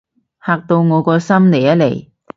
嚇到我個心離一離